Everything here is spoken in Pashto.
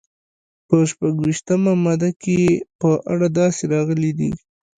په شپږویشتمه ماده کې یې په اړه داسې راغلي دي.